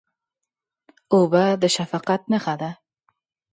اوبه د شفقت نښه ده.